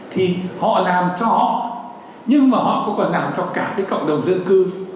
thì họ làm cho họ nhưng mà họ cũng còn làm cho cả cái cộng đồng dân cư